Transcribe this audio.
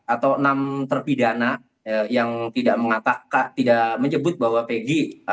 atau enam terpidana yang tidak mengatakan tidak menyebut bahwa pegi